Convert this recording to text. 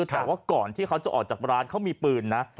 แต่ว่าก่อนที่เขาจะออกจากร้านเขามีปืนนะ